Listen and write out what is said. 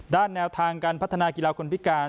แนวทางการพัฒนากีฬาคนพิการ